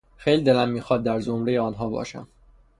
خیلی دلم میخواهد در زمرهی آنها باشم.